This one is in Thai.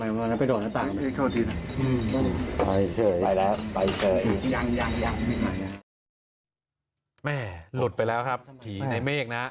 หลุดไปแล้วครับผีในเมฆนะ